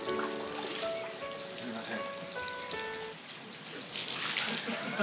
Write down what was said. すいません。